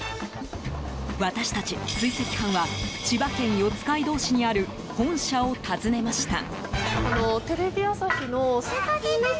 私たち追跡班は千葉県四街道市にある本社を訪ねました。